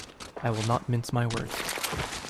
I will not mince my words.